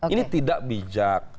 ini tidak bijak